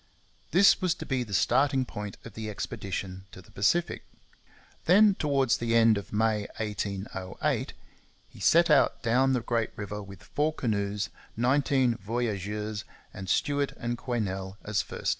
This was to be the starting point of the expedition to the Pacific. Then, towards the end of May 1808, he set out down the great river with four canoes, nineteen voyageurs, and Stuart and Quesnel as first assistants.